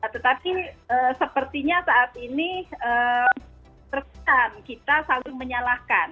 tetapi sepertinya saat ini terkena kita selalu menyalahkan